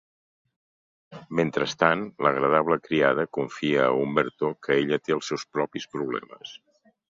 Mentrestant, l'agradable criada confia a Umberto que ella té els seus propis problemes.